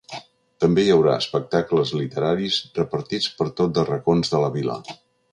També hi haurà espectacles literaris repartits per tot de racons de la vila.